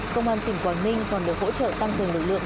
công an tỉnh quảng ninh còn được hỗ trợ tăng cường lực lượng